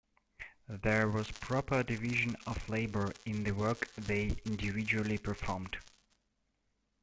There was proper division of labor in the work they individually performed.